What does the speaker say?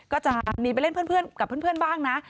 ก็จะหนีไปเล่นเพื่อนกับเพื่อนบ้างนะ